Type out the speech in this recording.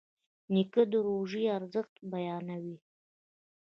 نیکه د روژې ارزښت بیانوي.